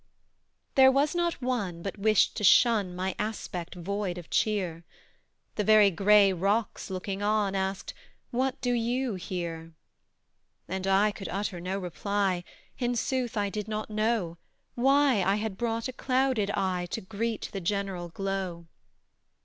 There was not one, but wished to shun My aspect void of cheer; The very gray rocks, looking on, Asked, "What do you here?" And I could utter no reply; In sooth, I did not know Why I had brought a clouded eye To greet the general glow.